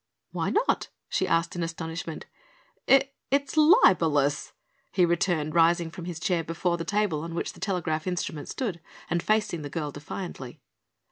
"Why not?" she asked in astonishment. "I it's libelous," he returned, rising from his chair before the table on which the telegraph instrument stood and facing the girl defiantly.